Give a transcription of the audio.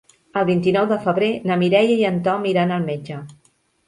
El vint-i-nou de febrer na Mireia i en Tom iran al metge.